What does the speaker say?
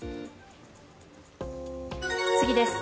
次です。